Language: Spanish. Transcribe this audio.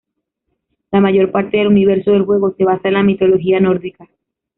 La mayor parte del universo del juego se basa en la mitología nórdica.